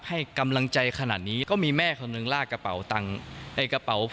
ให้กำลังจัยขนาดนี้ก็มีแม่คนหนึ่งลากกระเป๋าเปื่อเข้าตังค์